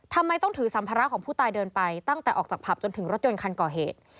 ทำไมต้องถือสัมภาระของผู้ตายเดินไปตั้งแต่ออกจากผับจนถึงรถยนต์คันก่อเหตุ